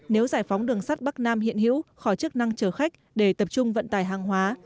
nếu giải phóng đường sắt bắc nam hiện hữu khỏi chức năng chở khách để tập trung vận tải hàng hóa